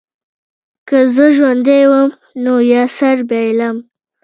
که زه ژوندی وم نو یا سر بایلم.